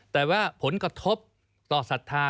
แต่ว่าผลกระทบต่อศรัทธา